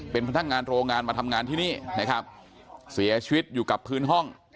เป็นพนักงานโรงงานมาทำงานที่นี่นะครับเสียชีวิตอยู่กับพื้นห้อง